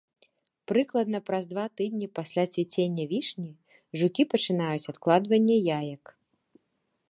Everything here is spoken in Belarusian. Прыкладна праз два тыдні пасля цвіцення вішні, жукі пачынаюць адкладванне яек.